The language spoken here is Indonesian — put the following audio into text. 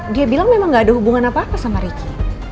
dia bilang memang gak ada hubungan apa apa sama ricky